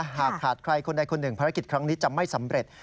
หากขาดใครคนใดคนหนึ่งภารกิจครั้งนี้จะไม่สำเร็จ